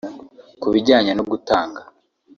Ku bijyanye no gutanga